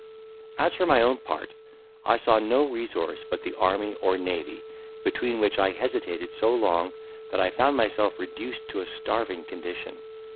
As for my own part, I saw no resource but the army or navy, between which I hesitated so long that I found myself reduced to a starving condition.